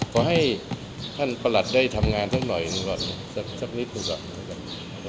ขอให้ท่านประหลัดได้ทำงานทั้งหน่อยสักนิดหนึ่งก่อน